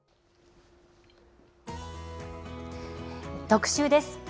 特集です。